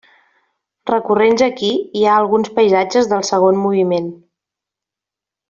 Recurrents aquí hi ha alguns paisatges del segon moviment.